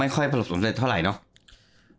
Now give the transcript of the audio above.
ค่อยประหลบสำเร็จเท่าไหร่เนาะ